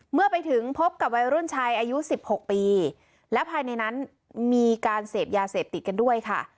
เมื่อไปถึงพบกับวัยรุ่นชายอายุสิบหกปีและภายในนั้นมีการเสพยาเสพติดกันด้วยค่ะ